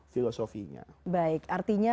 filosofinya baik artinya